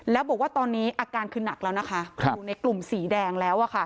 แล้วบอกว่าตอนนี้อาการขึ้นหนักคือในกลุ่มสีแดงแล้ว